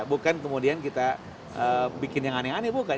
bukan kemudian kita bikin yang aneh aneh bukan